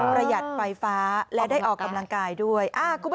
หัดไฟฟ้าและได้ออกกำลังกายด้วย